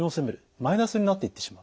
マイナスになっていってしまう。